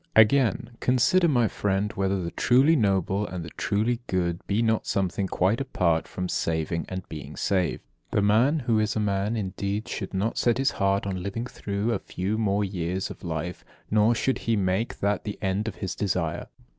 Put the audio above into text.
46. Again: "Consider, my friend, whether the truly noble and the truly good be not something quite apart from saving and being saved. The man who is a man indeed should not set his heart on living through a few more years of life, nor should he make that the end of his desire.